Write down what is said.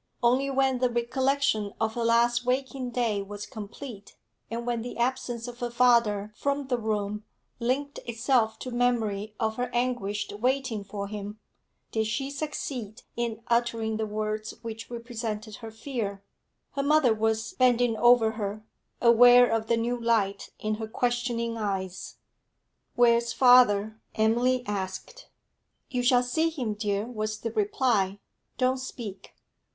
Only when the recollection of her last waking day was complete, and when the absence of her father from the room linked itself to memory of her anguished waiting for him, did she succeed in uttering the words which represented her fear. Her mother was bending over her, aware of the new light in her questioning eyes. 'Where's father?' Emily asked. 'You shall see him, dear,' was the reply. 'Don't speak.'